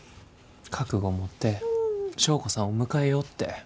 覚悟持って祥子さんを迎えようって。